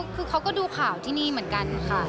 คือเขาก็ดูข่าวที่นี่เหมือนกันค่ะ